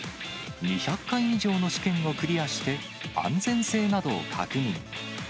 ２００回以上の試験をクリアして、安全性などを確認。